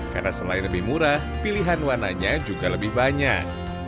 karena selain lebih murah pilihan warnanya juga lebih banyak